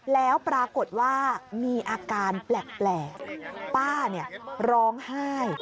แล้วปรากฏว่ามีอาการแปลกแปลกป้าเนี่ยร้องไห้